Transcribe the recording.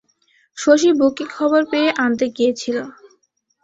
শশী বুকি খবর পেয়ে আনতে গিয়েছিল?